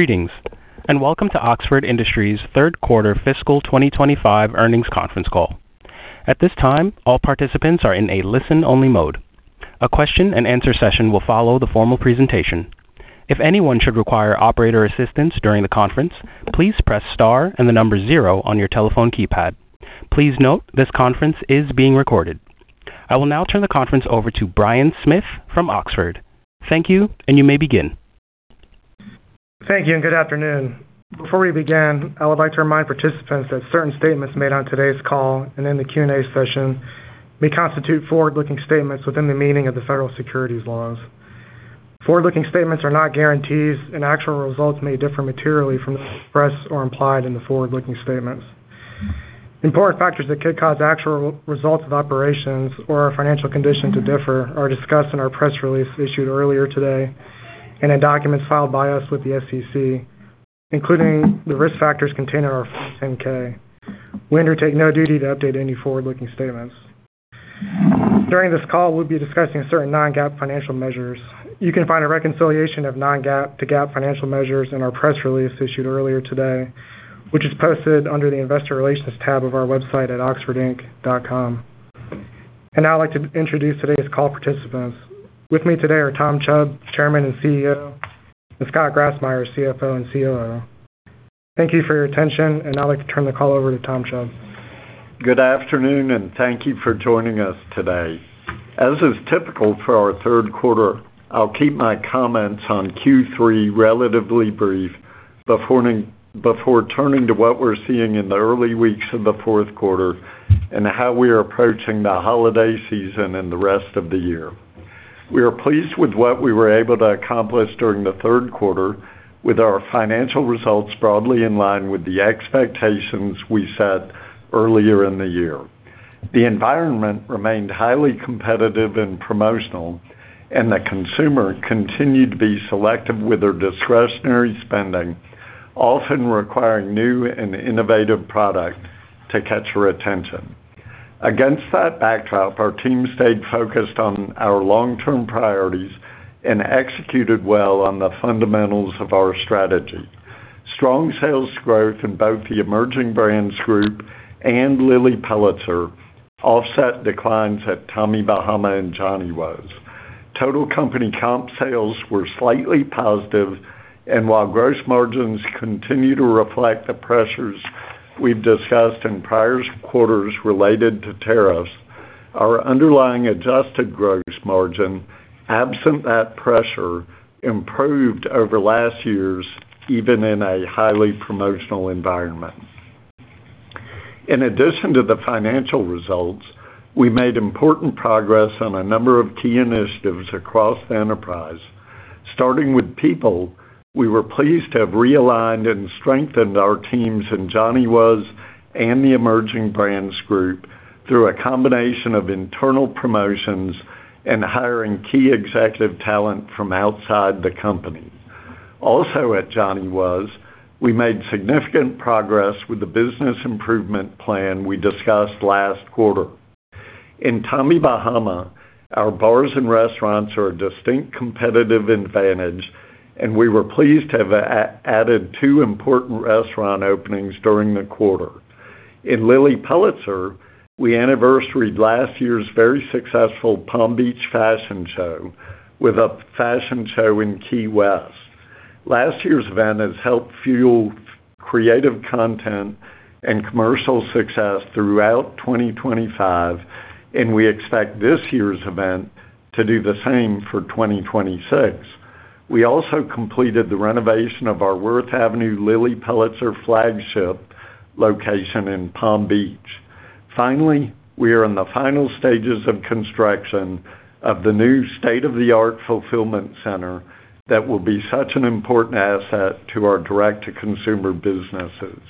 Greetings, and welcome to Oxford Industries' third quarter fiscal 2025 earnings conference call. At this time, all participants are in a listen-only mode. A question-and-answer session will follow the formal presentation. If anyone should require operator assistance during the conference, please press star and the number zero on your telephone keypad. Please note this conference is being recorded. I will now turn the conference over to Brian Smith from Oxford. Thank you, and you may begin. Thank you, and good afternoon. Before we begin, I would like to remind participants that certain statements made on today's call and in the Q&A session may constitute forward-looking statements within the meaning of the federal securities laws. Forward-looking statements are not guarantees, and actual results may differ materially from those expressed or implied in the forward-looking statements. Important factors that could cause actual results of operations or our financial condition to differ are discussed in our press release issued earlier today and in documents filed by us with the SEC, including the risk factors contained in our 10-K. We undertake no duty to update any forward-looking statements. During this call, we'll be discussing certain non-GAAP financial measures. You can find a reconciliation of non-GAAP to GAAP financial measures in our press release issued earlier today, which is posted under the Investor Relations tab of our website at oxfordinc.com. Now I'd like to introduce today's call participants. With me today are Tom Chubb, Chairman and CEO, and Scott Grassmyer, CFO and COO. Thank you for your attention, and I'd like to turn the call over to Tom Chubb. Good afternoon, and thank you for joining us today. As is typical for our third quarter, I'll keep my comments on Q3 relatively brief before turning to what we're seeing in the early weeks of the fourth quarter and how we are approaching the holiday season and the rest of the year. We are pleased with what we were able to accomplish during the third quarter, with our financial results broadly in line with the expectations we set earlier in the year. The environment remained highly competitive and promotional, and the consumer continued to be selective with their discretionary spending, often requiring new and innovative product to catch our attention. Against that backdrop, our team stayed focused on our long-term priorities and executed well on the fundamentals of our strategy. Strong sales growth in both the Emerging Brands Group and Lilly Pulitzer offset declines that Tommy Bahama and Johnny Was. Total company comp sales were slightly positive, and while gross margins continue to reflect the pressures we've discussed in prior quarters related to tariffs, our underlying adjusted gross margin, absent that pressure, improved over last year's, even in a highly promotional environment. In addition to the financial results, we made important progress on a number of key initiatives across the enterprise. Starting with People, we were pleased to have realigned and strengthened our teams in Johnny Was and the Emerging Brands Group through a combination of internal promotions and hiring key executive talent from outside the company. Also at Johnny Was, we made significant progress with the business improvement plan we discussed last quarter. In Tommy Bahama, our bars and restaurants are a distinct competitive advantage, and we were pleased to have added two important restaurant openings during the quarter. In Lilly Pulitzer, we anniversaried last year's very successful Palm Beach fashion show with a fashion show in Key West. Last year's event has helped fuel creative content and commercial success throughout 2025, and we expect this year's event to do the same for 2026. We also completed the renovation of our Worth Avenue Lilly Pulitzer flagship location in Palm Beach. Finally, we are in the final stages of construction of the new state-of-the-art fulfillment center that will be such an important asset to our direct-to-consumer businesses.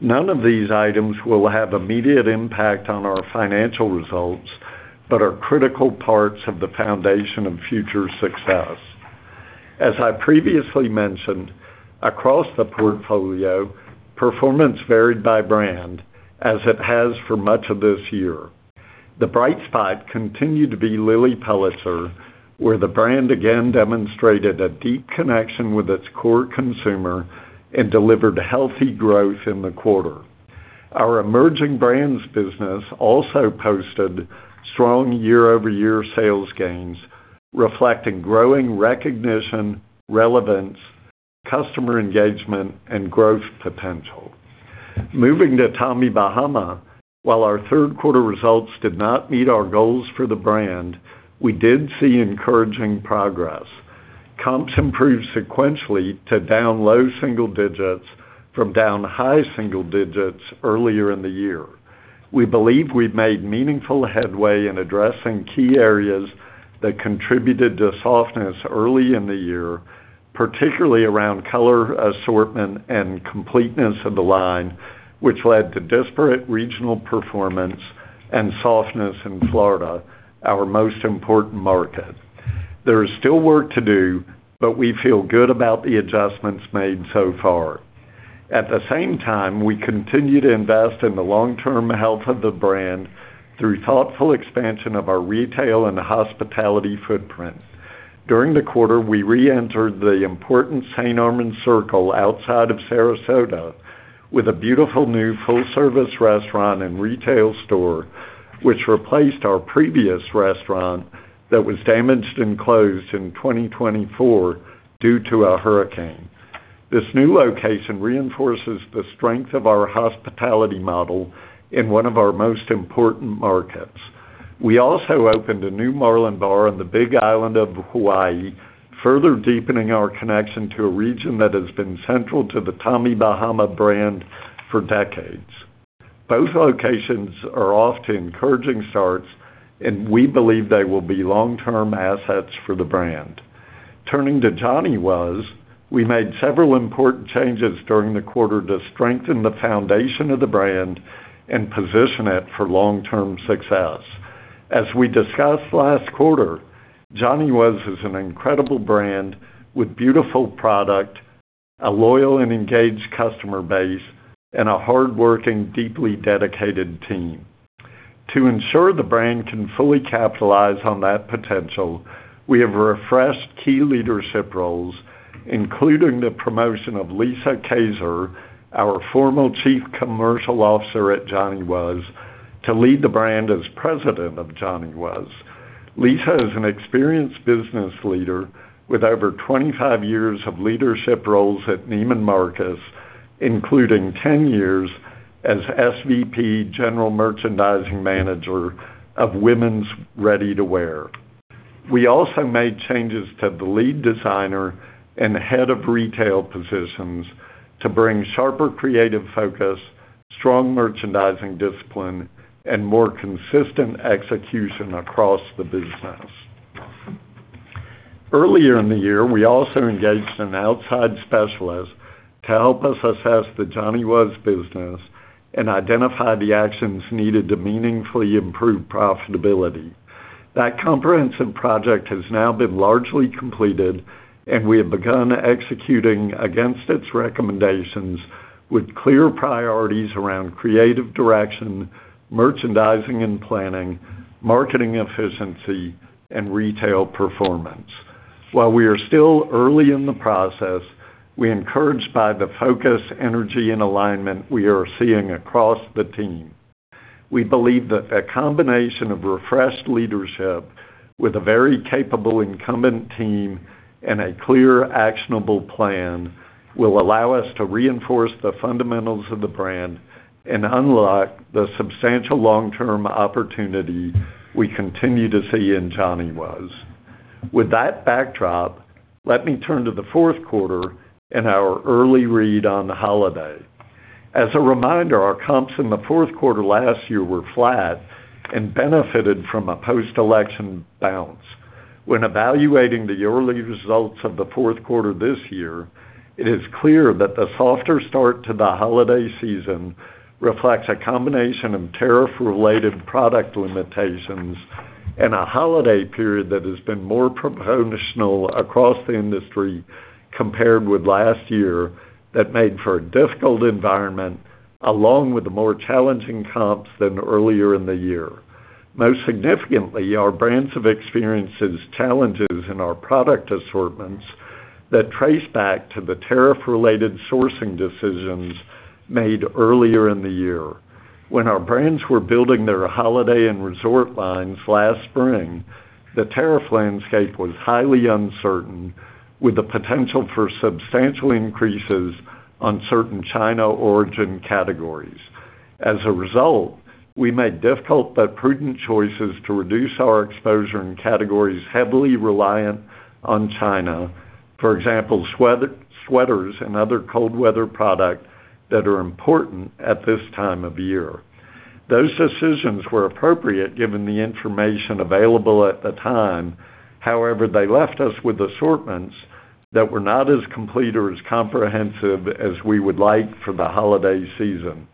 None of these items will have immediate impact on our financial results but are critical parts of the foundation of future success. As I previously mentioned, across the portfolio, performance varied by brand, as it has for much of this year. The bright spot continued to be Lilly Pulitzer, where the brand again demonstrated a deep connection with its core consumer and delivered healthy growth in the quarter. Our emerging brands business also posted strong year-over-year sales gains, reflecting growing recognition, relevance, customer engagement, and growth potential. Moving to Tommy Bahama, while our third quarter results did not meet our goals for the brand, we did see encouraging progress. Comps improved sequentially to down low single digits from down high single digits earlier in the year. We believe we've made meaningful headway in addressing key areas that contributed to softness early in the year, particularly around color assortment and completeness of the line, which led to disparate regional performance and softness in Florida, our most important market. There is still work to do, but we feel good about the adjustments made so far. At the same time, we continue to invest in the long-term health of the brand through thoughtful expansion of our retail and hospitality footprint. During the quarter, we re-entered the important St. Armands Circle outside of Sarasota with a beautiful new full-service restaurant and retail store, which replaced our previous restaurant that was damaged and closed in 2024 due to a hurricane. This new location reinforces the strength of our hospitality model in one of our most important markets. We also opened a new Marlin Bar on the Big Island of Hawaii, further deepening our connection to a region that has been central to the Tommy Bahama brand for decades. Both locations are off to encouraging starts, and we believe they will be long-term assets for the brand. Turning to Johnny Was, we made several important changes during the quarter to strengthen the foundation of the brand and position it for long-term success. As we discussed last quarter, Johnny Was is an incredible brand with beautiful product, a loyal and engaged customer base, and a hardworking, deeply dedicated team. To ensure the brand can fully capitalize on that potential, we have refreshed key leadership roles, including the promotion of Lisa Kazor, our former chief commercial officer at Johnny Was, to lead the brand as president of Johnny Was. Lisa is an experienced business leader with over 25 years of leadership roles at Neiman Marcus, including 10 years as SVP general merchandising manager of women's ready-to-wear. We also made changes to the lead designer and head of retail positions to bring sharper creative focus, strong merchandising discipline, and more consistent execution across the business. Earlier in the year, we also engaged an outside specialist to help us assess the Johnny Was business and identify the actions needed to meaningfully improve profitability. That comprehensive project has now been largely completed, and we have begun executing against its recommendations with clear priorities around creative direction, merchandising and planning, marketing efficiency, and retail performance. While we are still early in the process, we are encouraged by the focus, energy, and alignment we are seeing across the team. We believe that a combination of refreshed leadership with a very capable incumbent team and a clear, actionable plan will allow us to reinforce the fundamentals of the brand and unlock the substantial long-term opportunity we continue to see in Johnny Was. With that backdrop, let me turn to the fourth quarter and our early read on the holiday. As a reminder, our comps in the fourth quarter last year were flat and benefited from a post-election bounce. When evaluating the early results of the fourth quarter this year, it is clear that the softer start to the holiday season reflects a combination of tariff-related product limitations and a holiday period that has been more promotional across the industry compared with last year that made for a difficult environment, along with the more challenging comps than earlier in the year. Most significantly, our brands have experienced challenges in our product assortments that trace back to the tariff-related sourcing decisions made earlier in the year. When our brands were building their holiday and resort lines last spring, the tariff landscape was highly uncertain, with the potential for substantial increases on certain China-origin categories. As a result, we made difficult but prudent choices to reduce our exposure in categories heavily reliant on China, for example, sweaters and other cold-weather products that are important at this time of year. Those decisions were appropriate given the information available at the time. However, they left us with assortments that were not as complete or as comprehensive as we would like for the holiday season.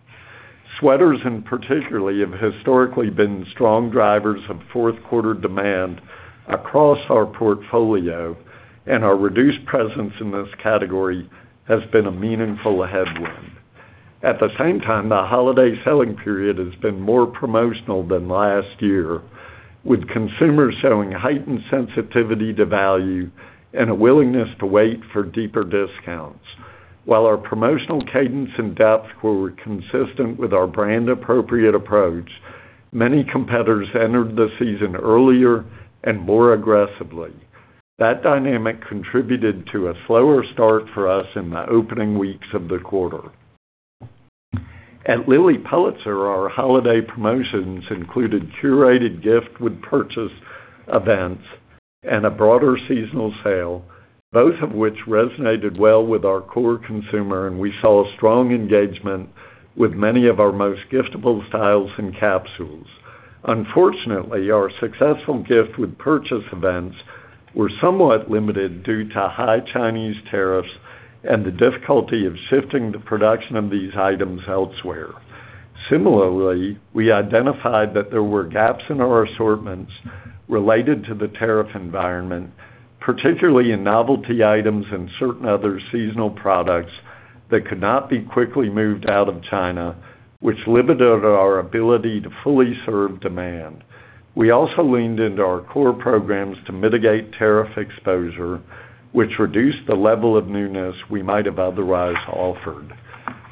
Sweaters, in particular, have historically been strong drivers of fourth-quarter demand across our portfolio, and our reduced presence in this category has been a meaningful headwind. At the same time, the holiday selling period has been more promotional than last year, with consumers showing heightened sensitivity to value and a willingness to wait for deeper discounts. While our promotional cadence and depth were consistent with our brand-appropriate approach, many competitors entered the season earlier and more aggressively. That dynamic contributed to a slower start for us in the opening weeks of the quarter. At Lilly Pulitzer, our holiday promotions included curated gift-with-purchase events and a broader seasonal sale, both of which resonated well with our core consumer, and we saw strong engagement with many of our most giftable styles and capsules. Unfortunately, our successful gift-with-purchase events were somewhat limited due to high Chinese tariffs and the difficulty of shifting the production of these items elsewhere. Similarly, we identified that there were gaps in our assortments related to the tariff environment, particularly in novelty items and certain other seasonal products that could not be quickly moved out of China, which limited our ability to fully serve demand. We also leaned into our core programs to mitigate tariff exposure, which reduced the level of newness we might have otherwise offered.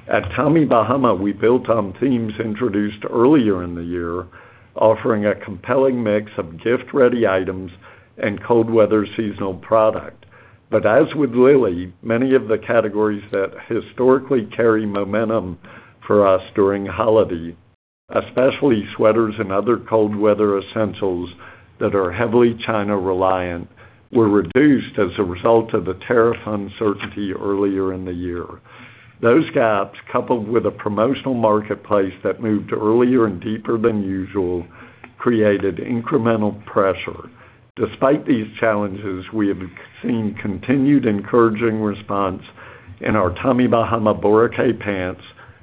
At Tommy Bahama, we built on themes introduced earlier in the year, offering a compelling mix of gift-ready items and cold-weather seasonal product. But as with Lilly, many of the categories that historically carry momentum for us during holiday, especially sweaters and other cold-weather essentials that are heavily China-reliant, were reduced as a result of the tariff uncertainty earlier in the year. Those gaps, coupled with a promotional marketplace that moved earlier and deeper than usual, created incremental pressure. Despite these challenges, we have seen continued encouraging response in our Tommy Bahama Boracay pants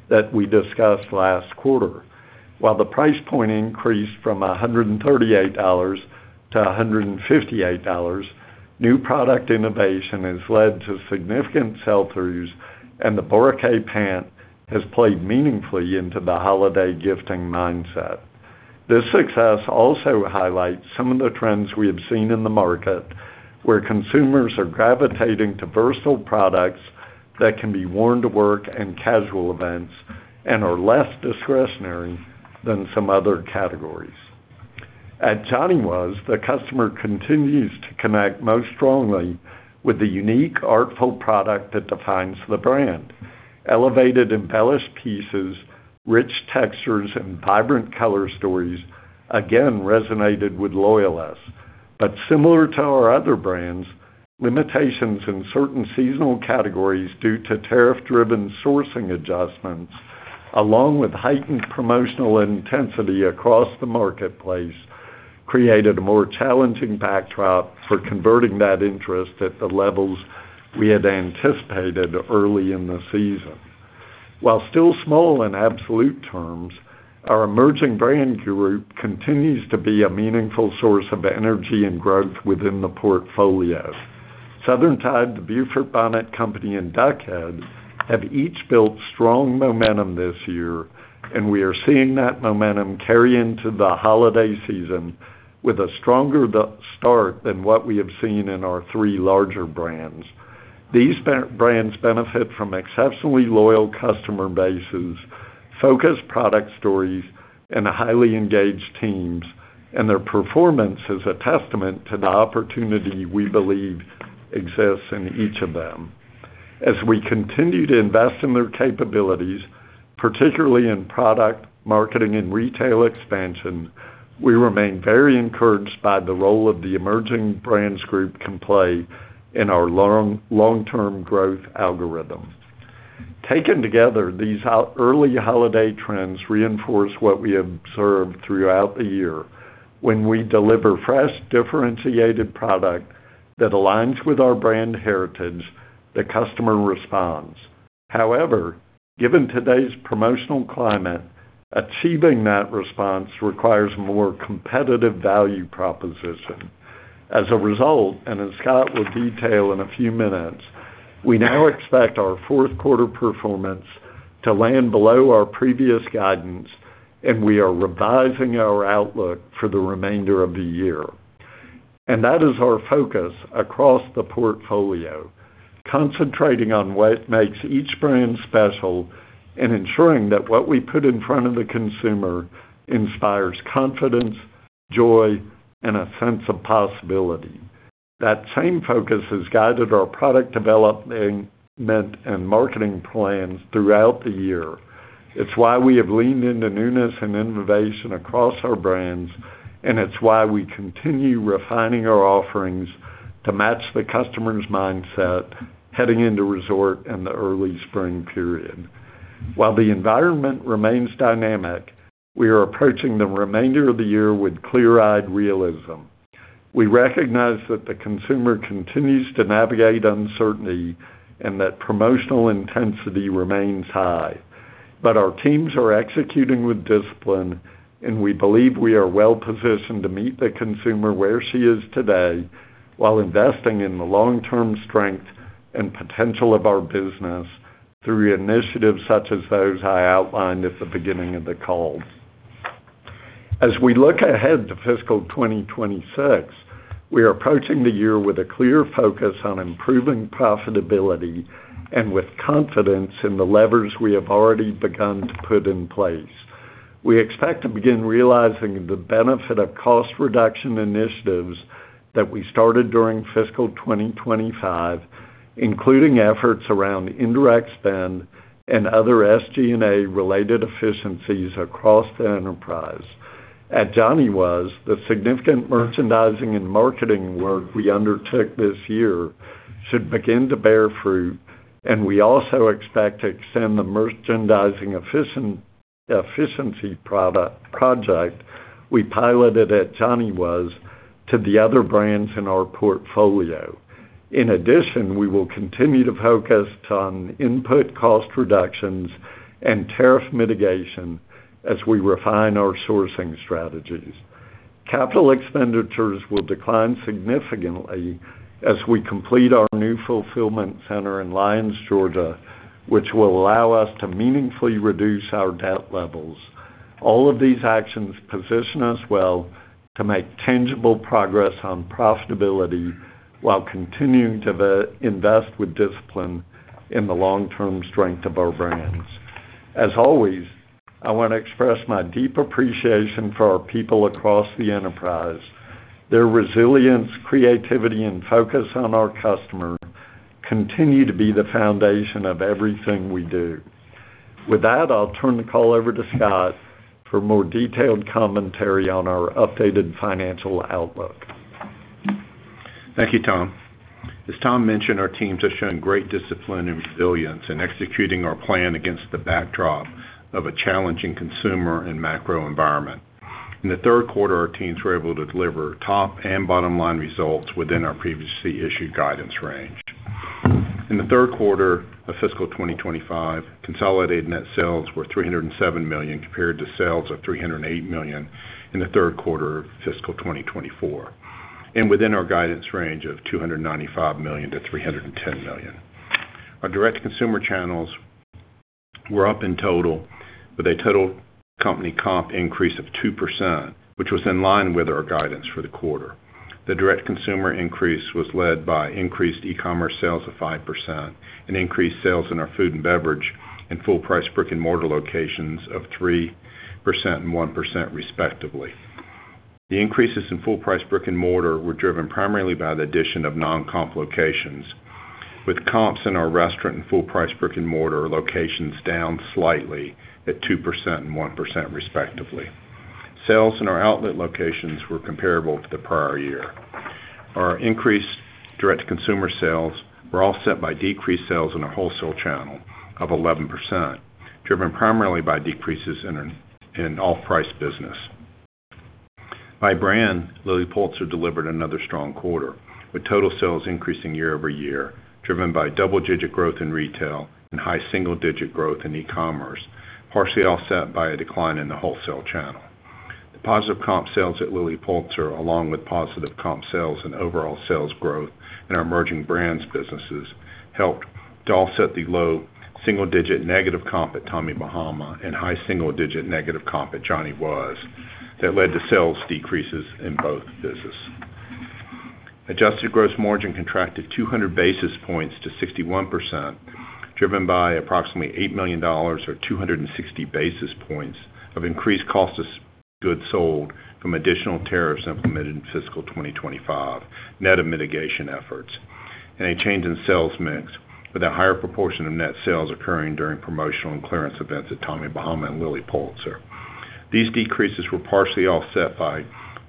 that we discussed last quarter. While the price point increased from $138-$158, new product innovation has led to significant sell-throughs, and the Boracay Pant has played meaningfully into the holiday gifting mindset. This success also highlights some of the trends we have seen in the market, where consumers are gravitating to versatile products that can be worn to work and casual events and are less discretionary than some other categories. At Johnny Was, the customer continues to connect most strongly with the unique, artful product that defines the brand. Elevated embellished pieces, rich textures, and vibrant color stories again resonated with loyalists. But similar to our other brands, limitations in certain seasonal categories due to tariff-driven sourcing adjustments, along with heightened promotional intensity across the marketplace, created a more challenging backdrop for converting that interest at the levels we had anticipated early in the season. While still small in absolute terms, our Emerging Brands Group continues to be a meaningful source of energy and growth within the portfolio. Southern Tide, The Beaufort Bonnet Company, and Duck Head have each built strong momentum this year, and we are seeing that momentum carry into the holiday season with a stronger start than what we have seen in our three larger brands. These brands benefit from exceptionally loyal customer bases, focused product stories, and highly engaged teams, and their performance is a testament to the opportunity we believe exists in each of them. As we continue to invest in their capabilities, particularly in product marketing and retail expansion, we remain very encouraged by the role that the Emerging Brands Group can play in our long-term growth algorithm. Taken together, these early holiday trends reinforce what we observed throughout the year. When we deliver fresh, differentiated product that aligns with our brand heritage, the customer responds. However, given today's promotional climate, achieving that response requires more competitive value proposition. As a result, and as Scott will detail in a few minutes, we now expect our fourth-quarter performance to land below our previous guidance, and we are revising our outlook for the remainder of the year, and that is our focus across the portfolio, concentrating on what makes each brand special and ensuring that what we put in front of the consumer inspires confidence, joy, and a sense of possibility. That same focus has guided our product development and marketing plans throughout the year. It's why we have leaned into newness and innovation across our brands, and it's why we continue refining our offerings to match the customer's mindset heading into resort and the early spring period. While the environment remains dynamic, we are approaching the remainder of the year with clear-eyed realism. We recognize that the consumer continues to navigate uncertainty and that promotional intensity remains high. But our teams are executing with discipline, and we believe we are well-positioned to meet the consumer where she is today while investing in the long-term strength and potential of our business through initiatives such as those I outlined at the beginning of the call. As we look ahead to fiscal 2026, we are approaching the year with a clear focus on improving profitability and with confidence in the levers we have already begun to put in place. We expect to begin realizing the benefit of cost reduction initiatives that we started during fiscal 2025, including efforts around indirect spend and other SG&A-related efficiencies across the enterprise. At Johnny Was, the significant merchandising and marketing work we undertook this year should begin to bear fruit, and we also expect to extend the merchandising efficiency project we piloted at Johnny Was to the other brands in our portfolio. In addition, we will continue to focus on input cost reductions and tariff mitigation as we refine our sourcing strategies. Capital expenditures will decline significantly as we complete our new fulfillment center in Lyons, Georgia, which will allow us to meaningfully reduce our debt levels. All of these actions position us well to make tangible progress on profitability while continuing to invest with discipline in the long-term strength of our brands. As always, I want to express my deep appreciation for our people across the enterprise. Their resilience, creativity, and focus on our customer continued to be the foundation of everything we do. With that, I'll turn the call over to Scott for more detailed commentary on our updated financial outlook. Thank you, Tom. As Tom mentioned, our teams have shown great discipline and resilience in executing our plan against the backdrop of a challenging consumer and macro environment. In the third quarter, our teams were able to deliver top and bottom-line results within our previously issued guidance range. In the third quarter of fiscal 2025, consolidated net sales were $307 million compared to sales of $308 million in the third quarter of fiscal 2024, and within our guidance range of $295 million-$310 million. Our direct consumer channels were up in total with a total company comp increase of 2%, which was in line with our guidance for the quarter. The direct consumer increase was led by increased e-commerce sales of 5% and increased sales in our food and beverage and full-price brick-and-mortar locations of 3% and 1%, respectively. The increases in full-price brick-and-mortar were driven primarily by the addition of non-comp locations, with comps in our restaurant and full-price brick-and-mortar locations down slightly at 2% and 1%, respectively. Sales in our outlet locations were comparable to the prior year. Our increased direct-to-consumer sales were offset by decreased sales in our wholesale channel of 11%, driven primarily by decreases in off-price business. By brand, Lilly Pulitzer delivered another strong quarter, with total sales increasing year-over-year, driven by double-digit growth in retail and high single-digit growth in e-commerce, partially offset by a decline in the wholesale channel. The positive comp sales at Lilly Pulitzer, along with positive comp sales and overall sales growth in our emerging brands businesses, helped to offset the low single-digit negative comp at Tommy Bahama and high single-digit negative comp at Johnny Was that led to sales decreases in both businesses. Adjusted gross margin contracted 200 basis points to 61%, driven by approximately $8 million, or 260 basis points, of increased cost of goods sold from additional tariffs implemented in fiscal 2025, net of mitigation efforts, and a change in sales mix with a higher proportion of net sales occurring during promotional and clearance events at Tommy Bahama and Lilly Pulitzer. These decreases were partially offset by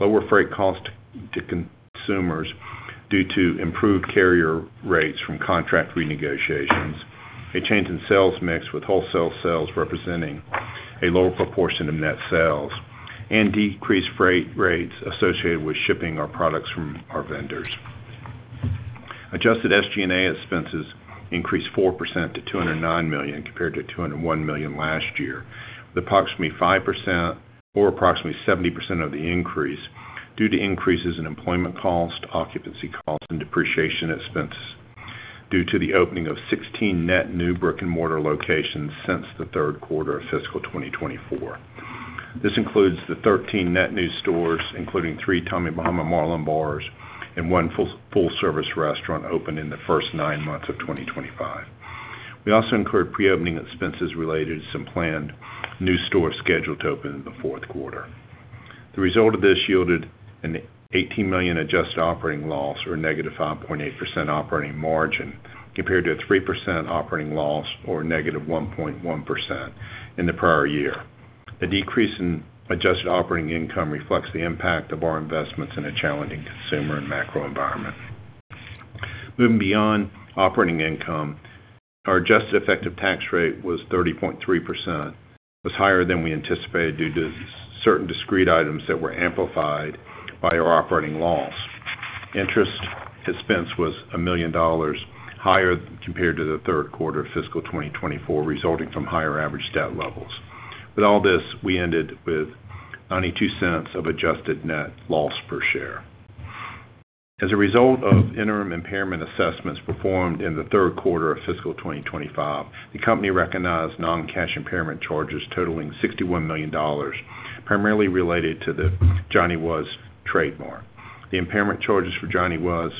lower freight cost to consumers due to improved carrier rates from contract renegotiations, a change in sales mix with wholesale sales representing a lower proportion of net sales, and decreased freight rates associated with shipping our products from our vendors. Adjusted SG&A expenses increased 4% to $209 million compared to $201 million last year, with approximately 5% or approximately 70% of the increase due to increases in employment cost, occupancy cost, and depreciation expenses due to the opening of 16 net new brick-and-mortar locations since the third quarter of fiscal 2024. This includes the 13 net new stores, including three Tommy Bahama Marlin Bars and one full-service restaurant open in the first nine months of 2025. We also incurred pre-opening expenses related to some planned new stores scheduled to open in the fourth quarter. The result of this yielded an $18 million adjusted operating loss, or negative 5.8% operating margin, compared to a 3% operating loss, or negative 1.1% in the prior year. The decrease in adjusted operating income reflects the impact of our investments in a challenging consumer and macro environment. Moving beyond operating income, our adjusted effective tax rate was 30.3%, which was higher than we anticipated due to certain discrete items that were amplified by our operating loss. Interest expense was $1 million higher compared to the third quarter of fiscal 2024, resulting from higher average debt levels. With all this, we ended with $0.92 adjusted net loss per share. As a result of interim impairment assessments performed in the third quarter of fiscal 2025, the company recognized non-cash impairment charges totaling $61 million, primarily related to the Johnny Was trademark. The impairment charges for Johnny Was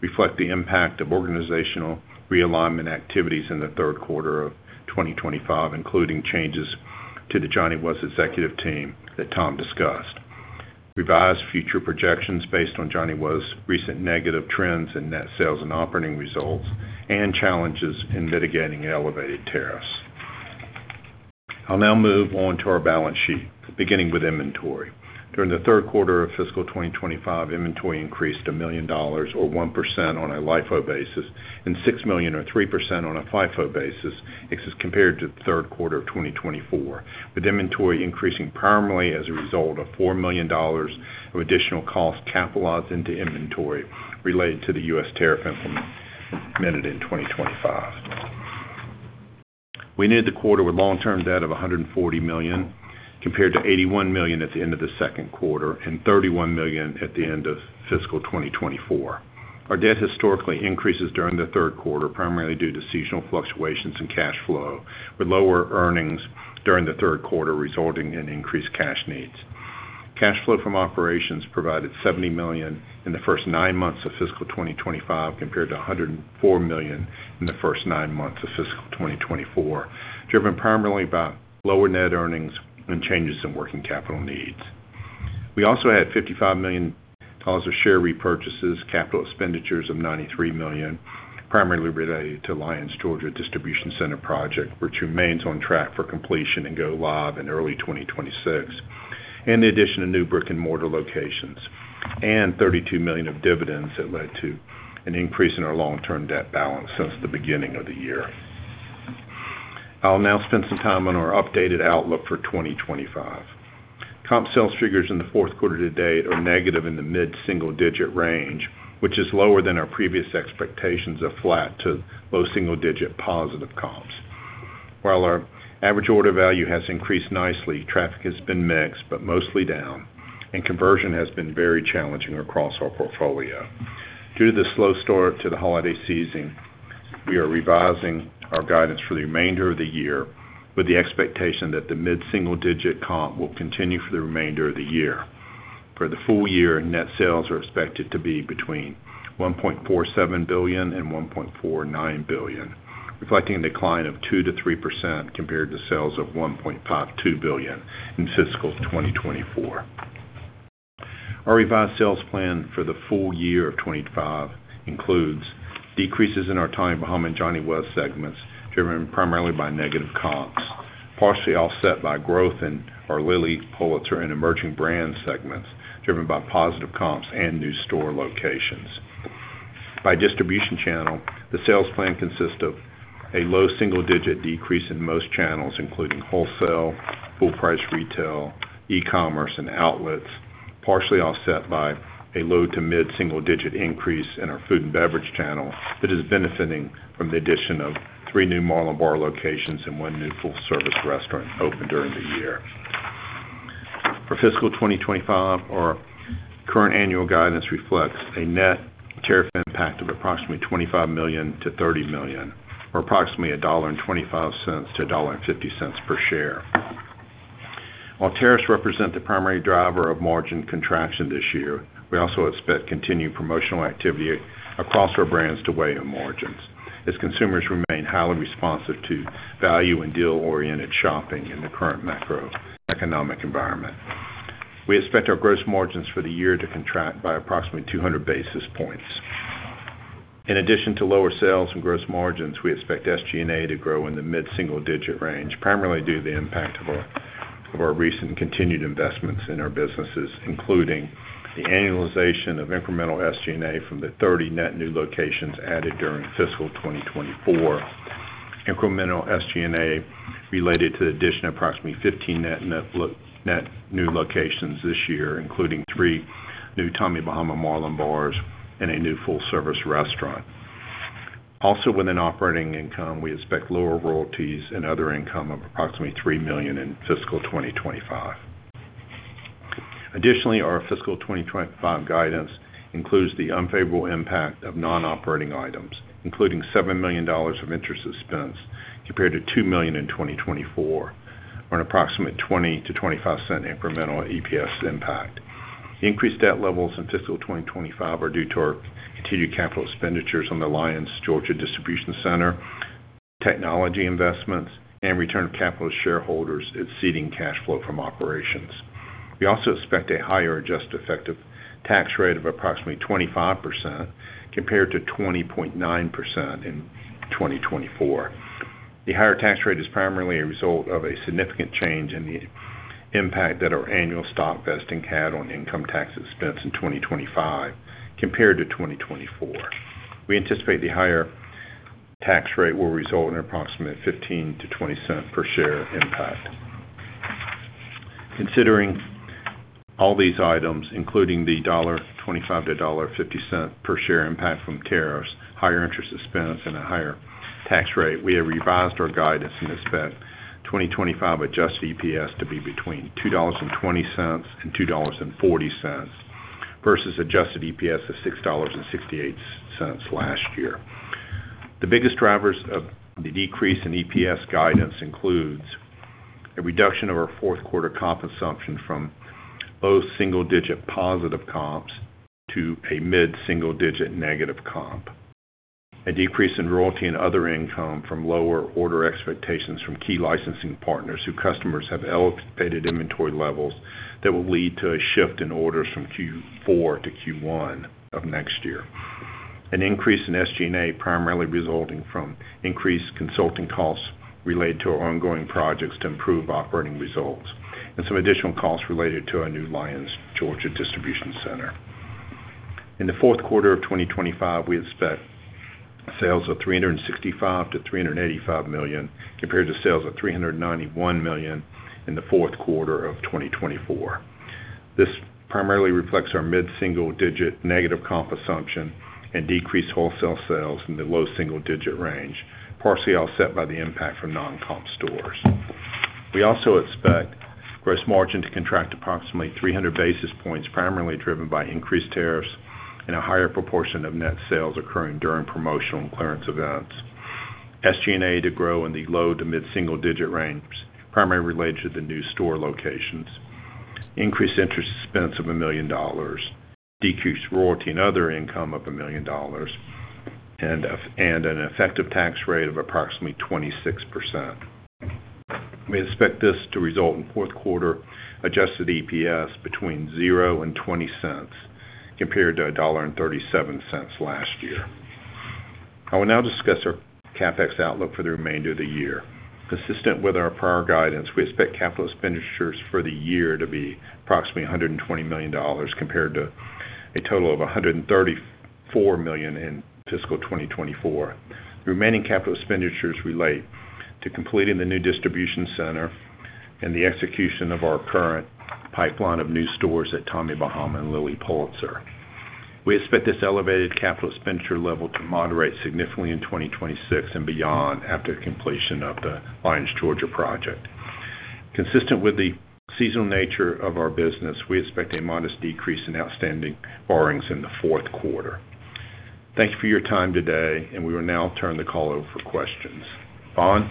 reflect the impact of organizational realignment activities in the third quarter of 2025, including changes to the Johnny Was executive team that Tom discussed. Revised future projections based on Johnny Was, recent negative trends in net sales and operating results and challenges in mitigating elevated tariffs. I'll now move on to our balance sheet, beginning with inventory. During the third quarter of fiscal 2025, inventory increased $1 million, or 1% on a LIFO basis, and $6 million, or 3% on a FIFO basis, compared to the third quarter of 2024, with inventory increasing primarily as a result of $4 million of additional costs capitalized into inventory related to the U.S. tariff implemented in 2025. We ended the quarter with long-term debt of $140 million compared to $81 million at the end of the second quarter and $31 million at the end of fiscal 2024. Our debt historically increases during the third quarter, primarily due to seasonal fluctuations in cash flow, with lower earnings during the third quarter resulting in increased cash needs. Cash flow from operations provided $70 million in the first nine months of fiscal 2025 compared to $104 million in the first nine months of fiscal 2024, driven primarily by lower net earnings and changes in working capital needs. We also had $55 million of share repurchases, capital expenditures of $93 million, primarily related to Lyons, Georgia, distribution center project, which remains on track for completion and go live in early 2026, in addition to new brick-and-mortar locations and $32 million of dividends that led to an increase in our long-term debt balance since the beginning of the year. I'll now spend some time on our updated outlook for 2025. Comp sales figures in the fourth quarter to date are negative in the mid-single-digit range, which is lower than our previous expectations of flat to low single-digit positive comps. While our average order value has increased nicely, traffic has been mixed but mostly down, and conversion has been very challenging across our portfolio. Due to the slow start to the holiday season, we are revising our guidance for the remainder of the year with the expectation that the mid-single-digit comp will continue for the remainder of the year. For the full year, net sales are expected to be between $1.47 billion and $1.49 billion, reflecting a decline of 2%-3% compared to sales of $1.5, $2 billion in fiscal 2024. Our revised sales plan for the full year of 2025 includes decreases in our Tommy Bahama and Johnny Was segments, driven primarily by negative comps, partially offset by growth in our Lilly Pulitzer and emerging brands segments, driven by positive comps and new store locations. By distribution channel, the sales plan consists of a low single-digit decrease in most channels, including wholesale, full-price retail, e-commerce, and outlets, partially offset by a low to mid-single-digit increase in our food and beverage channel that is benefiting from the addition of three new Marlin Bar locations and one new full-service restaurant open during the year. For fiscal 2025, our current annual guidance reflects a net tariff impact of approximately $25 million-$30 million, or approximately $1.25-$1.50 per share. While tariffs represent the primary driver of margin contraction this year, we also expect continued promotional activity across our brands to weigh in margins as consumers remain highly responsive to value and deal-oriented shopping in the current macroeconomic environment. We expect our gross margins for the year to contract by approximately 200 basis points. In addition to lower sales and gross margins, we expect SG&A to grow in the mid-single-digit range, primarily due to the impact of our recent continued investments in our businesses, including the annualization of incremental SG&A from the 30 net new locations added during fiscal 2024, incremental SG&A related to the addition of approximately 15 net new locations this year, including three new Tommy Bahama Marlin Bars and a new full-service restaurant. Also, within operating income, we expect lower royalties and other income of approximately $3 million in fiscal 2025. Additionally, our fiscal 2025 guidance includes the unfavorable impact of non-operating items, including $7 million of interest expense compared to $2 million in 2024, or an approximate $0.20-$0.25 incremental EPS impact. Increased debt levels in fiscal 2025 are due to our continued capital expenditures on the Lyons, Georgia distribution center, technology investments, and return of capital shareholders exceeding cash flow from operations. We also expect a higher adjusted effective tax rate of approximately 25% compared to 20.9% in 2024. The higher tax rate is primarily a result of a significant change in the impact that our annual stock vesting had on income tax expense in 2025 compared to 2024. We anticipate the higher tax rate will result in approximately $0.15-$0.20 per share impact. Considering all these items, including the $1.25-$1.50 per share impact from tariffs, higher interest expense, and a higher tax rate, we have revised our guidance and expect 2025 adjusted EPS to be between $2.20 and $2.40 versus adjusted EPS of $6.68 last year. The biggest drivers of the decrease in EPS guidance includes a reduction of our fourth quarter comp sales from low single-digit positive comps to a mid-single-digit negative comp, a decrease in royalty and other income from lower order expectations from key licensing partners whose customers have elevated inventory levels that will lead to a shift in orders from Q4-Q1 of next year, an increase in SG&A primarily resulting from increased consulting costs related to our ongoing projects to improve operating results, and some additional costs related to our new Lyons, Georgia distribution center. In the fourth quarter of 2025, we expect sales of $365-$385 million compared to sales of $391 million in the fourth quarter of 2024. This primarily reflects our mid-single-digit negative comp sales and decreased wholesale sales in the low single-digit range, partially offset by the impact from non-comp stores. We also expect gross margin to contract approximately 300 basis points, primarily driven by increased tariffs and a higher proportion of net sales occurring during promotional and clearance events. SG&A to grow in the low to mid-single-digit range, primarily related to the new store locations, increased interest expense of $1 million, decreased royalty and other income of $1 million, and an effective tax rate of approximately 26%. We expect this to result in fourth quarter adjusted EPS between $0 and $0.20 compared to $1.37 last year. I will now discuss our CapEx outlook for the remainder of the year. Consistent with our prior guidance, we expect capital expenditures for the year to be approximately $120 million compared to a total of $134 million in fiscal 2024. The remaining capital expenditures relate to completing the new distribution center and the execution of our current pipeline of new stores at Tommy Bahama and Lilly Pulitzer. We expect this elevated capital expenditure level to moderate significantly in 2026 and beyond after completion of the Lyons, Georgia project. Consistent with the seasonal nature of our business, we expect a modest decrease in outstanding borrowings in the fourth quarter. Thank you for your time today, and we will now turn the call over for questions. Vaughn?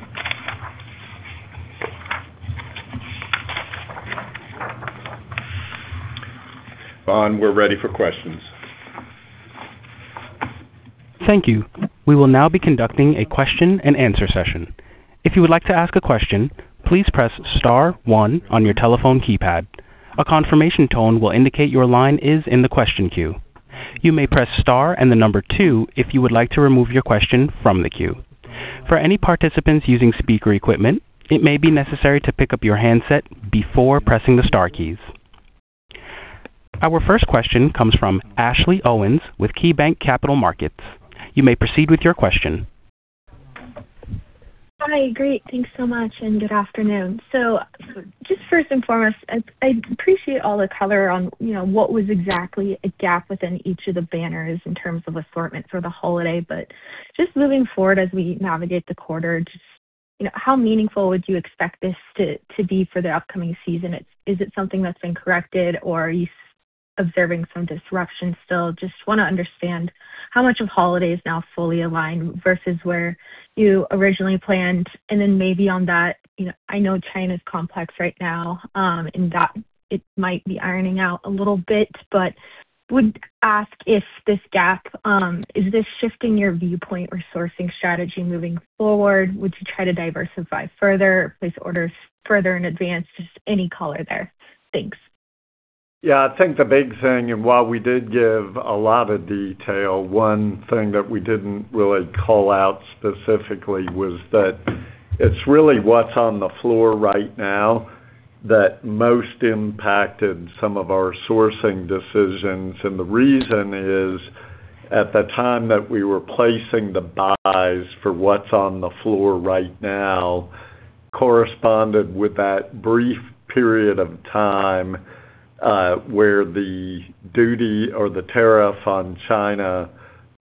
Vaughn, we're ready for questions. Thank you. We will now be conducting a question-and-answer session. If you would like to ask a question, please press star one on your telephone keypad. A confirmation tone will indicate your line is in the question queue. You may press star and the number two if you would like to remove your question from the queue. For any participants using speaker equipment, it may be necessary to pick up your handset before pressing the star keys. Our first question comes from Ashley Owens with KeyBanc Capital Markets. You may proceed with your question. Hi, great. Thanks so much, and good afternoon. So just first and foremost, I appreciate all the color on what was exactly a gap within each of the banners in terms of assortment for the holiday. But just moving forward as we navigate the quarter, just how meaningful would you expect this to be for the upcoming season? Is it something that's been corrected, or are you observing some disruption still? Just want to understand how much of holidays now fully align versus where you originally planned. And then maybe on that, I know China is complex right now, and that it might be ironing out a little bit, but would ask if this gap, is this shifting your viewpoint or sourcing strategy moving forward? Would you try to diversify further, place orders further in advance? Just any color there. Thanks. Yeah, I think the big thing, and while we did give a lot of detail, one thing that we didn't really call out specifically was that it's really what's on the floor right now that most impacted some of our sourcing decisions. And the reason is, at the time that we were placing the buys for what's on the floor right now, corresponded with that brief period of time where the duty or the tariff on China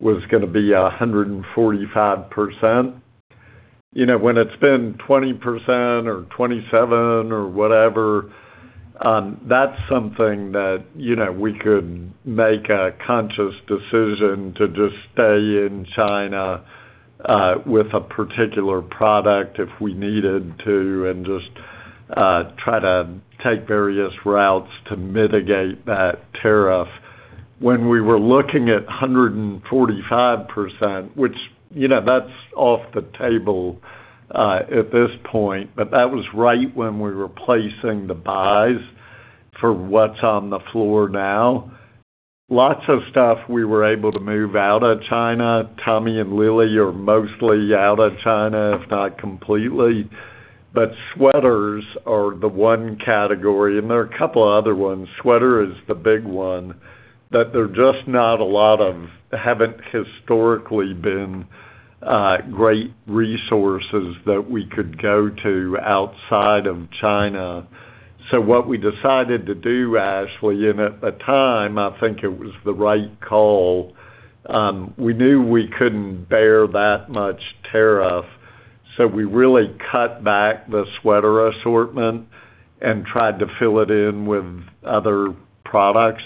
was going to be 145%. When it's been 20% or 27% or whatever, that's something that we could make a conscious decision to just stay in China with a particular product if we needed to and just try to take various routes to mitigate that tariff. When we were looking at 145%, which, that's off the table at this point, but that was right when we were placing the buys for what's on the floor now. Lots of stuff we were able to move out of China. Tommy and Lilly are mostly out of China, if not completely. But Sweaters are the one category, and there are a couple of other ones. Sweater is the big one, but there's just not a lot of, haven't historically been great resources that we could go to outside of China. So what we decided to do, Ashley, and at the time, I think it was the right call. We knew we couldn't bear that much tariff, so we really cut back the sweater assortment and tried to fill it in with other products.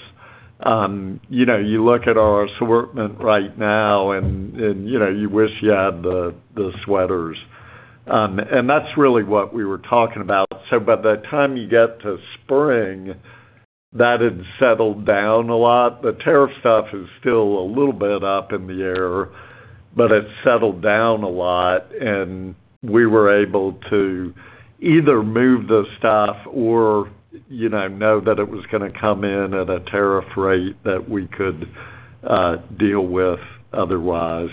You look at our assortment right now, and you wish you had the sweaters. And that's really what we were talking about. So by the time you get to spring, that had settled down a lot. The tariff stuff is still a little bit up in the air, but it settled down a lot, and we were able to either move the stuff or know that it was going to come in at a tariff rate that we could deal with otherwise.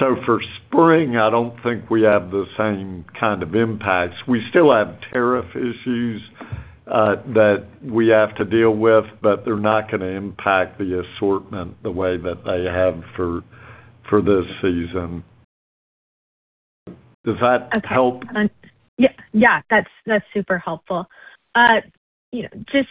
So for spring, I don't think we have the same kind of impacts. We still have tariff issues that we have to deal with, but they're not going to impact the assortment the way that they have for this season. Does that help? Yeah, that's super helpful. Just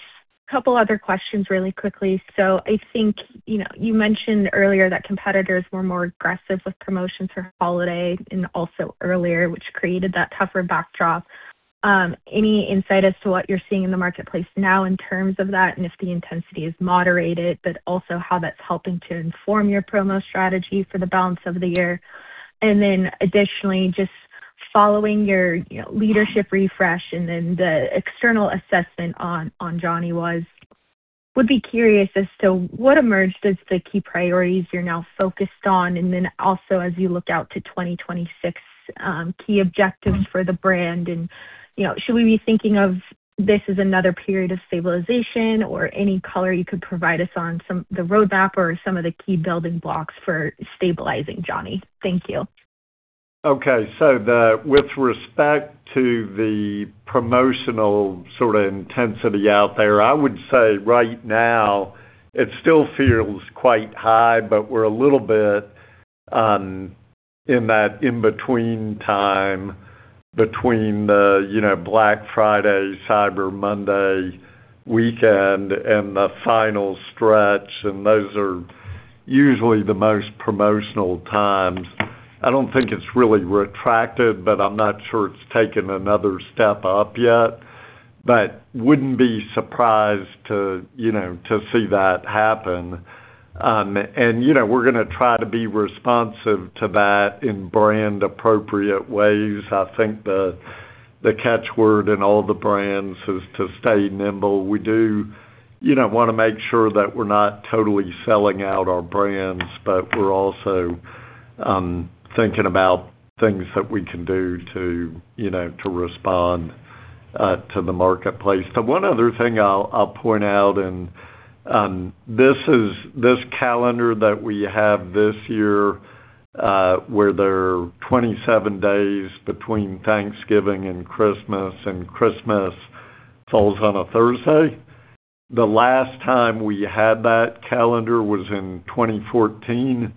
a couple of other questions really quickly. So I think you mentioned earlier that competitors were more aggressive with promotions for holiday and also earlier, which created that tougher backdrop. Any insight as to what you're seeing in the marketplace now in terms of that and if the intensity is moderated, but also how that's helping to inform your promo strategy for the balance of the year? And then additionally, just following your leadership refresh and then the external assessment on Johnny Was, would be curious as to what emerged as the key priorities you're now focused on, and then also as you look out to 2026 key objectives for the brand? And should we be thinking of this as another period of stabilization or any color you could provide us on the roadmap or some of the key building blocks for stabilizing Johnny? Thank you. Okay, so with respect to the promotional sort of intensity out there, I would say right now it still feels quite high, but we're a little bit in that in-between time between the Black Friday, Cyber Monday weekend, and the final stretch, and those are usually the most promotional times. I don't think it's really retracted, but I'm not sure it's taken another step up yet, but wouldn't be surprised to see that happen, and we're going to try to be responsive to that in brand-appropriate ways. I think the catchword in all the brands is to stay nimble. We do want to make sure that we're not totally selling out our brands, but we're also thinking about things that we can do to respond to the marketplace. But one other thing I'll point out, and this calendar that we have this year where there are 27 days between Thanksgiving and Christmas, and Christmas falls on a Thursday. The last time we had that calendar was in 2014,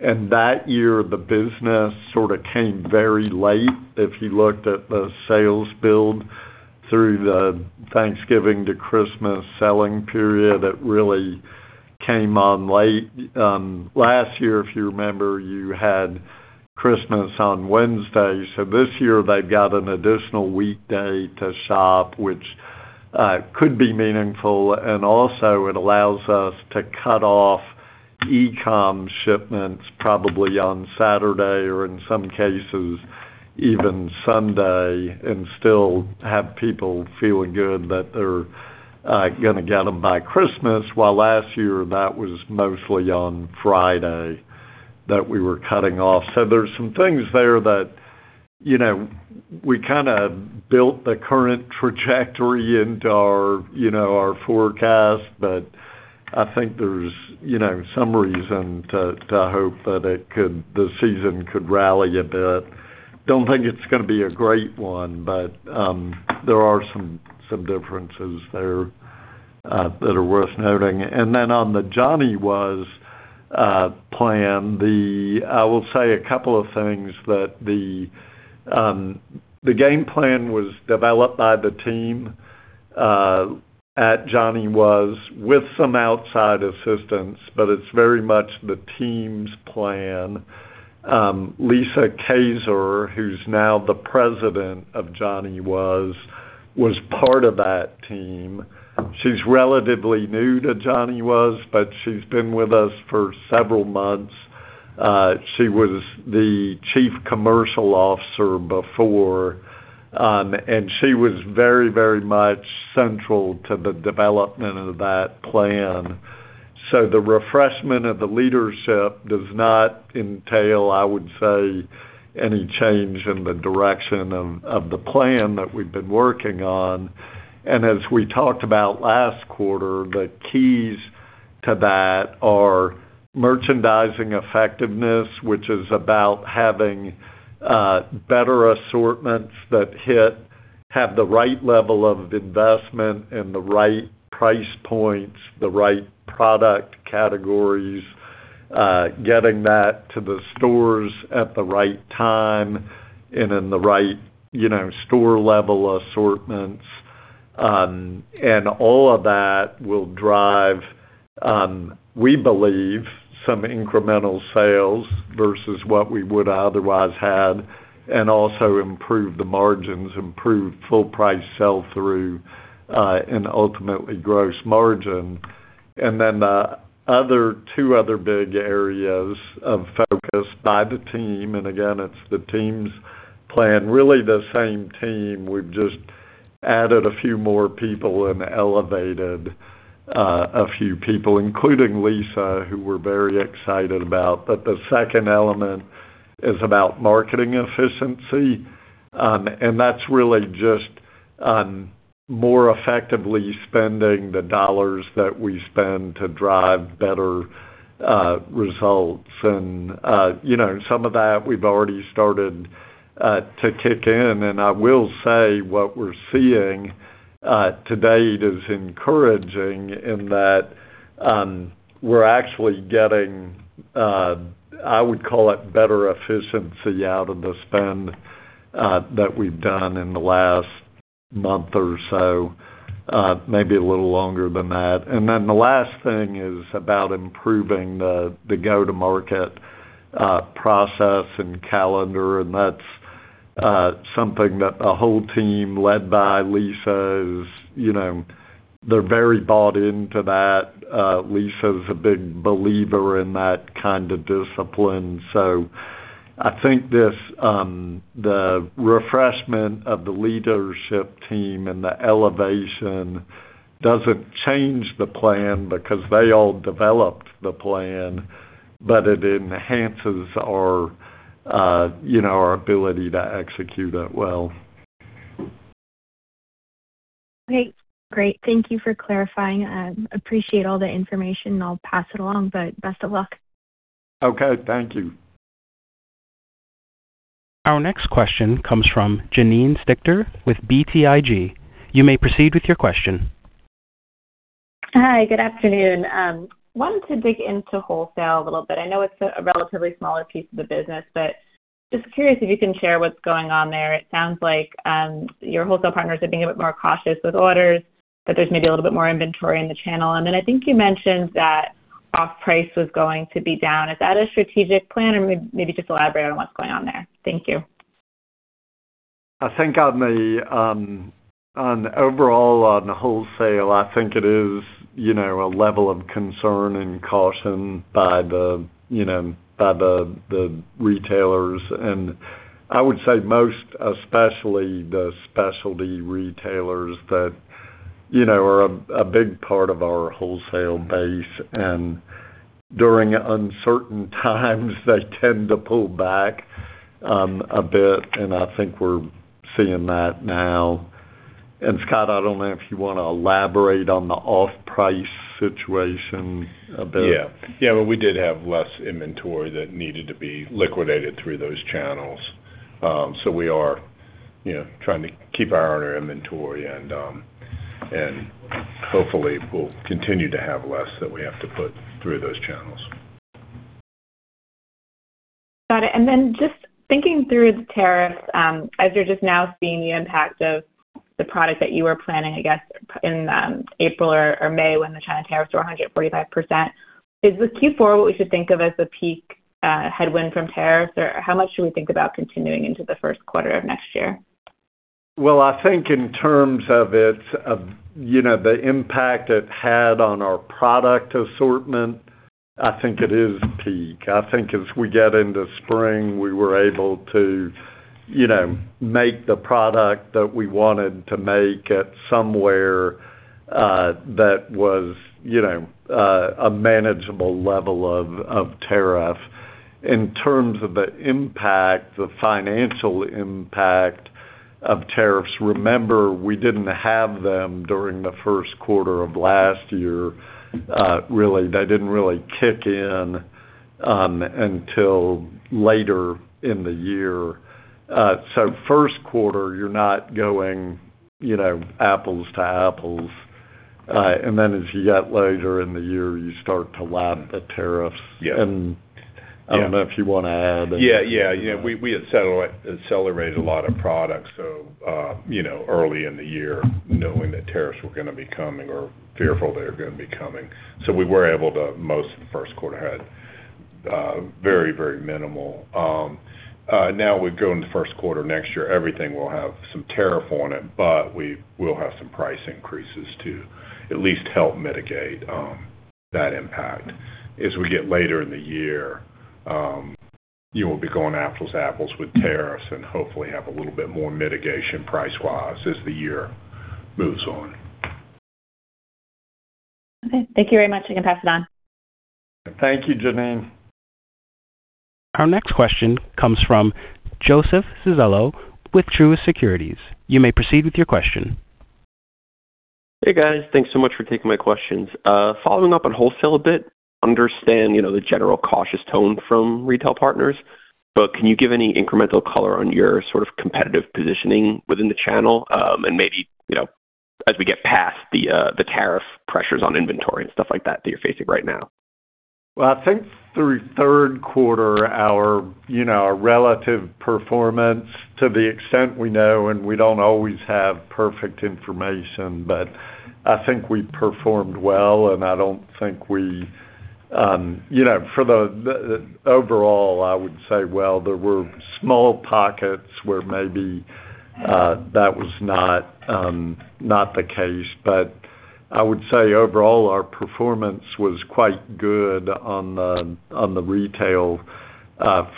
and that year the business sort of came very late. If you looked at the sales build through the Thanksgiving to Christmas selling period, it really came on late. Last year, if you remember, you had Christmas on Wednesday. so this year they've got an additional weekday to shop, which could be meaningful. and also it allows us to cut off e-com shipments probably on Saturday or in some cases even Sunday and still have people feeling good that they're going to get them by Christmas, while last year that was mostly on Friday that we were cutting off. So there's some things there that we kind of built the current trajectory into our forecast, but I think there's some reason to hope that the season could rally a bit. Don't think it's going to be a great one, but there are some differences there that are worth noting. And then on the Johnny Was plan, I will say a couple of things that the game plan was developed by the team at Johnny Was with some outside assistance, but it's very much the team's plan. Lisa Kazor, who's now the president of Johnny Was, was part of that team. She's relatively new to Johnny Was, but she's been with us for several months. She was the chief commercial officer before, and she was very, very much central to the development of that plan. The refreshment of the leadership does not entail, I would say, any change in the direction of the plan that we've been working on. As we talked about last quarter, the keys to that are merchandising effectiveness, which is about having better assortments that have the right level of investment and the right price points, the right product categories, getting that to the stores at the right time and in the right store level assortments. All of that will drive, we believe, some incremental sales versus what we would otherwise have and also improve the margins, improve full price sell-through, and ultimately gross margin. Then two other big areas of focus by the team, and again, it's the team's plan, really the same team. We've just added a few more people and elevated a few people, including Lisa, who we're very excited about. But the second element is about marketing efficiency, and that's really just more effectively spending the dollars that we spend to drive better results. And some of that we've already started to kick in. And I will say what we're seeing to date is encouraging in that we're actually getting, I would call it, better efficiency out of the spend that we've done in the last month or so, maybe a little longer than that. And then the last thing is about improving the go-to-market process and calendar. And that's something that the whole team led by Lisa is, they're very bought into that. Lisa is a big believer in that kind of discipline. So I think the refreshment of the leadership team and the elevation doesn't change the plan because they all developed the plan, but it enhances our ability to execute it well. Okay. Great. Thank you for clarifying. I appreciate all the information, and I'll pass it along, but best of luck. Okay. Thank you. Our next question comes from Janine Stichter with BTIG. You may proceed with your question. Hi. Good afternoon. I wanted to dig into wholesale a little bit. I know it's a relatively smaller piece of the business, but just curious if you can share what's going on there. It sounds like your wholesale partners are being a bit more cautious with orders, that there's maybe a little bit more inventory in the channel. And then I think you mentioned that off-price was going to be down. Is that a strategic plan, or maybe just elaborate on what's going on there? Thank you. I think overall on wholesale, I think it is a level of concern and caution by the retailers. And I would say most, especially the specialty retailers that are a big part of our wholesale base. And during uncertain times, they tend to pull back a bit, and I think we're seeing that now. And Scott, I don't know if you want to elaborate on the off-price situation a bit. Yeah. Yeah. Well, we did have less inventory that needed to be liquidated through those channels. So we are trying to keep our inventory, and hopefully, we'll continue to have less that we have to put through those channels. Got it. And then just thinking through the tariffs, as you're just now seeing the impact of the product that you were planning, I guess, in April or May when the China tariffs were 145%, is the Q4 what we should think of as the peak headwind from tariffs, or how much should we think about continuing into the first quarter of next year? Well, I think in terms of the impact it had on our product assortment, I think it is peak. I think as we get into spring, we were able to make the product that we wanted to make at somewhere that was a manageable level of tariff. In terms of the impact, the financial impact of tariffs, remember, we didn't have them during the first quarter of last year. Really, they didn't really kick in until later in the year. So first quarter, you're not going apples to apples. And then as you get later in the year, you start to lap the tariffs. And I don't know if you want to add anything. Yeah. Yeah. Yeah. We accelerated a lot of products early in the year knowing that tariffs were going to be coming or fearful they were going to be coming. So we were able to most of the first quarter had very, very minimal. Now we go into the first quarter next year, everything will have some tariff on it, but we will have some price increases to at least help mitigate that impact. As we get later in the year, we'll be going apples to apples with tariffs and hopefully have a little bit more mitigation price-wise as the year moves on. Okay. Thank you very much. I can pass it on. Thank you, Janine. Our next question comes from Joseph Civello with Truist Securities. You may proceed with your question. Hey, guys. Thanks so much for taking my questions. Following up on wholesale a bit. Understand the general cautious tone from retail partners, but can you give any incremental color on your sort of competitive positioning within the channel and maybe as we get past the tariff pressures on inventory and stuff like that that you're facing right now? Well, I think through third quarter, our relative performance to the extent we know, and we don't always have perfect information, but I think we performed well, and I don't think we for the overall, I would say, well, there were small pockets where maybe that was not the case. But I would say overall, our performance was quite good on the retail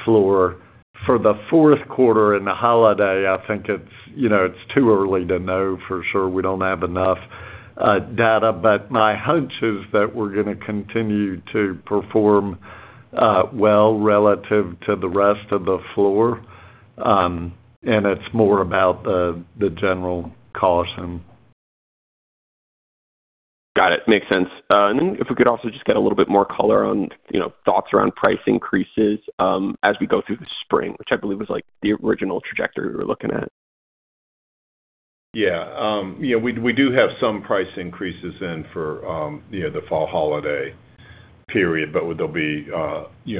floor. For the fourth quarter and the holiday, I think it's too early to know for sure. We don't have enough data, but my hunch is that we're going to continue to perform well relative to the rest of the floor, and it's more about the general caution. Got it. Makes sense. And then if we could also just get a little bit more color on thoughts around price increases as we go through the spring, which I believe was the original trajectory we were looking at. Yeah. Yeah. We do have some price increases in for the fall holiday period, but there'll be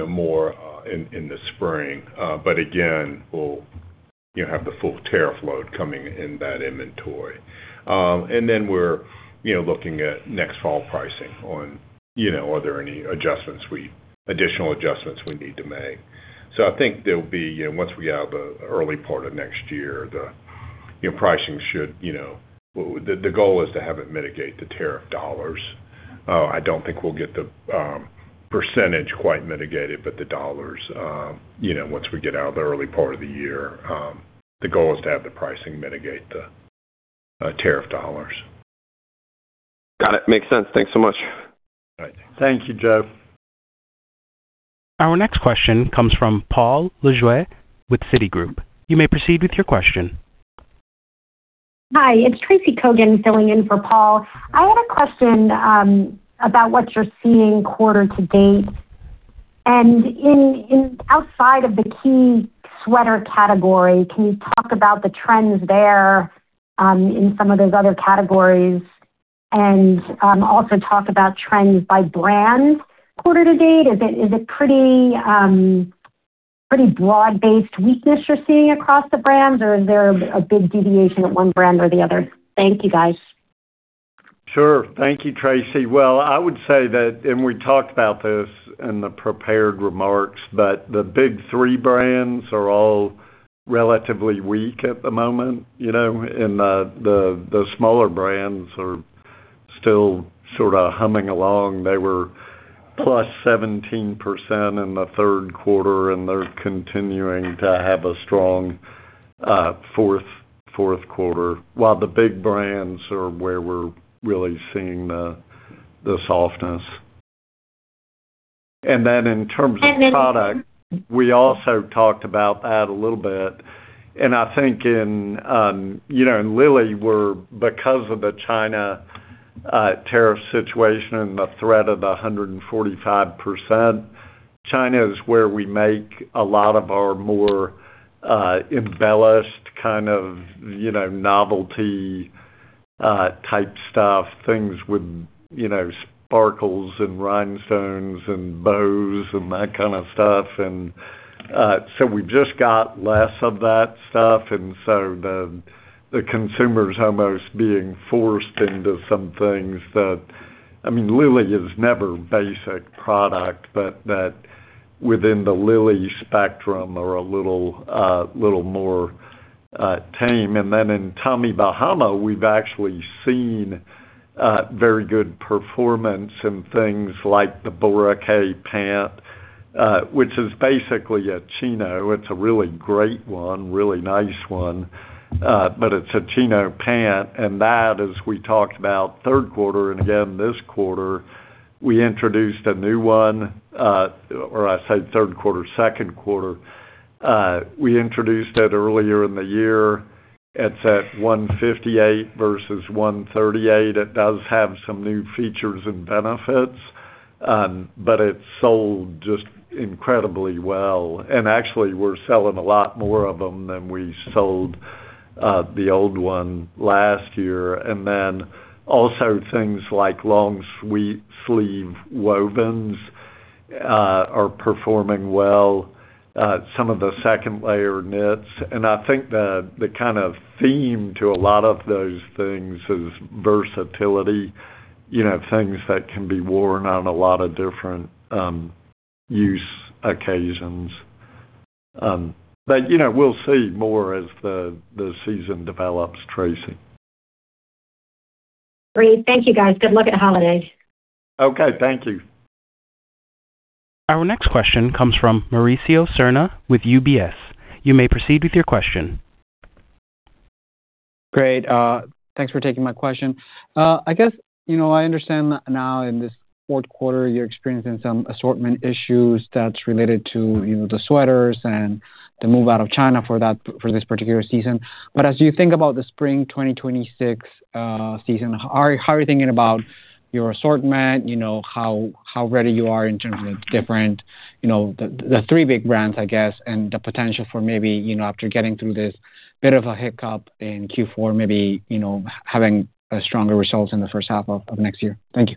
more in the spring. But again, we'll have the full tariff load coming in that inventory. And then we're looking at next fall pricing on are there any additional adjustments we need to make. So I think there'll be once we get out of the early part of next year, the pricing should the goal is to have it mitigate the tariff dollars. I don't think we'll get the percentage quite mitigated, but the dollars once we get out of the early part of the year, the goal is to have the pricing mitigate the tariff dollars. Got it. Makes sense. Thanks so much. Thank you, Jeff. Our next question comes from Paul Lejuez with Citigroup. You may proceed with your question. Hi. It's Tracy Kogan filling in for Paul. I had a question about what you're seeing quarter to date. And outside of the key Sweater category, can you talk about the trends there in some of those other categories and also talk about trends by brand quarter to date? Is it pretty broad-based weakness you're seeing across the brands, or is there a big deviation at one brand or the other? Thank you, guys. Sure. Thank you, Tracy. Well, I would say that, and we talked about this in the prepared remarks, but the big three brands are all relatively weak at the moment, and the smaller brands are still sort of humming along. They were +17% in the third quarter, and they're continuing to have a strong fourth quarter, while the big brands are where we're really seeing the softness, and then in terms of product, we also talked about that a little bit. And I think in Lilly, because of the China tariff situation and the threat of the 145%, China is where we make a lot of our more embellished kind of novelty-type stuff, things with sparkles and rhinestones and bows and that kind of stuff. And so we've just got less of that stuff. And so the consumer is almost being forced into some things that, I mean, Lilly is never basic product, but that within the Lilly spectrum, they're a little more tame. And then in Tommy Bahama, we've actually seen very good performance in things like the Boracay pant, which is basically a chino. It's a really great one, really nice one, but it's a chino pant. And that, as we talked about third quarter and again this quarter, we introduced a new one, or I say third quarter, second quarter. We introduced it earlier in the year. It's at 158 versus 138. It does have some new features and benefits, but it's sold just incredibly well. And actually, we're selling a lot more of them than we sold the old one last year. And then also things like long-sleeve wovens are performing well, some of the second-layer knits. And I think the kind of theme to a lot of those things is versatility, things that can be worn on a lot of different use occasions. But we'll see more as the season develops, Tracy. Great. Thank you, guys. Good luck at holidays. Okay. Thank you. Our next question comes from Mauricio Serna with UBS. You may proceed with your question. Great. Thanks for taking my question. I guess I understand now in this fourth quarter, you're experiencing some assortment issues that's related to the sweaters and the move out of China for this particular season. But as you think about the spring 2026 season, how are you thinking about your assortment, how ready you are in terms of the different three big brands, I guess, and the potential for maybe after getting through this bit of a hiccup in Q4, maybe having stronger results in the first half of next year? Thank you.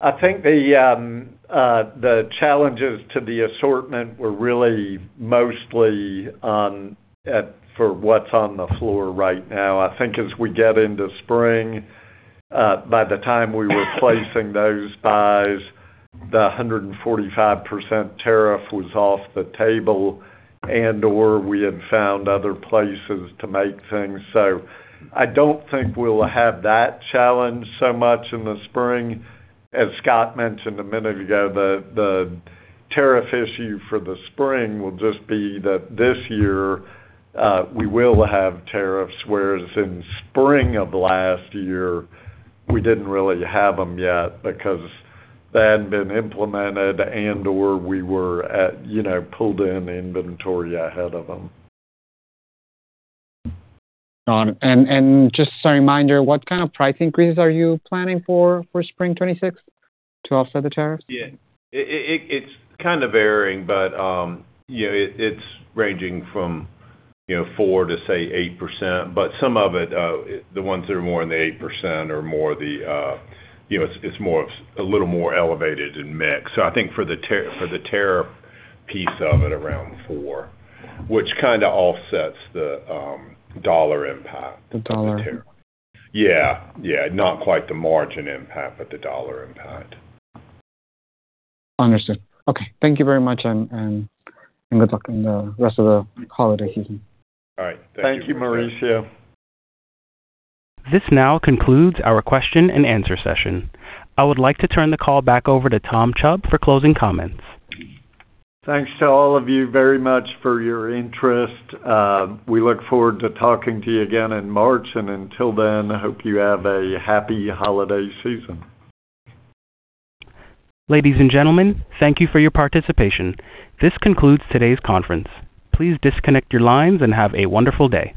I think the challenges to the assortment were really mostly for what's on the floor right now. I think as we get into spring, by the time we were placing those buys, the 145% tariff was off the table and/or we had found other places to make things. so I don't think we'll have that challenge so much in the spring. As Scott mentioned a minute ago, the tariff issue for the spring will just be that this year we will have tariffs, whereas in spring of last year, we didn't really have them yet because they hadn't been implemented and/or we were pulled in inventory ahead of them. Got it. And just a reminder, what kind of price increases are you planning for spring '26 to offset the tariffs? Yeah. It's kind of varying, but it's ranging from 4% to say 8%. But some of it, the ones that are more in the 8% are more the it's a little more elevated in mix. So I think for the tariff piece of it, around 4%, which kind of offsets the dollar impact. The dollar? Yeah. Yeah. Not quite the margin impact, but the dollar impact. Understood. Okay. Thank you very much, and good luck in the rest of the holiday season. All right. Thank you. Thank you, Mauricio. This now concludes our question-and-answer session. I would like to turn the call back over to Tom Chubb for closing comments. Thanks to all of you very much for your interest. We look forward to talking to you again in March, and until then, I hope you have a happy holiday season. Ladies and gentlemen, thank you for your participation. This concludes today's conference. Please disconnect your lines and have a wonderful day.